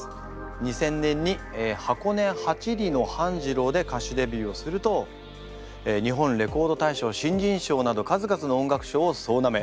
２０００年に「箱根八里の半次郎」で歌手デビューをすると日本レコード大賞新人賞など数々の音楽賞を総なめ。